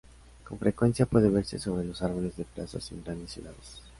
Con frecuencia, puede verse sobre los árboles de plazas en grandes ciudades.